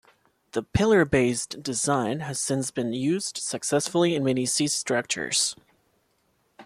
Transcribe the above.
The pillar-based design has since been used successfully in many sea structures.